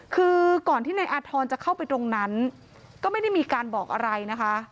คือก่อนที่นายอาธรณ์จะเข้าไปตรงนั้นก็ไม่ได้มีการบอกอะไรนะคะ